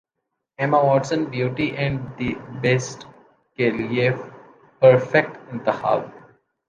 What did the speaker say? Emma Watson beauty and the beast کے لیے perfect انتخاب